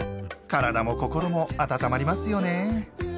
体も心も温まりますよね。